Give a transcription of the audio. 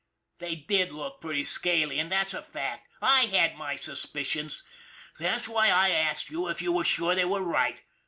They did look pretty scaly, and that's a fact. I had my suspicions. That's why I asked you if you were sure they were right.